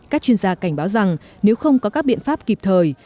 các chuyên gia cảnh báo rằng nếu không có các biện pháp kịp thời